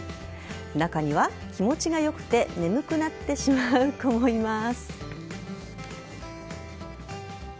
中には気持ちが良くて眠くなってしまう子もいます。